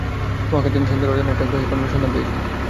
মহাকাশযানের sensor অজানা একটা গ্রহে প্রাণীর সন্ধান পেয়েছে।